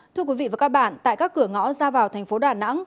thưa quý vị và các bạn tại các cửa ngõ ra vào thành phố đà nẵng